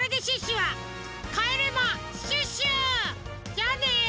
じゃあね！